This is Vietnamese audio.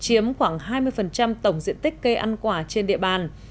chiếm khoảng hai mươi tổng diện tích cây ăn quả trên địa bàn